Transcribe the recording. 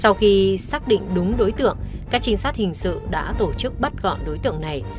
sau khi xác định đúng đối tượng các trinh sát hình sự đã tổ chức bắt gọn đối tượng này